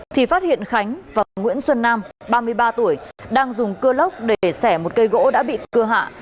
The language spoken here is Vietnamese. thì phát hiện khánh và nguyễn xuân nam ba mươi ba tuổi đang dùng cưa lốc để xẻ một cây gỗ đã bị cưa hạ